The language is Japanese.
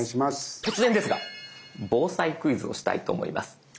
突然ですが防災クイズをしたいと思います。